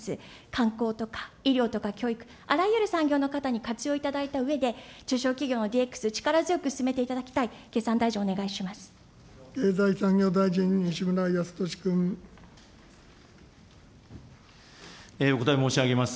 観光とか医療とか教育、あらゆる産業の方に活用いただいたうえで、中小企業のＤＸ力強く進めていただきたい、経産大臣、お願いしま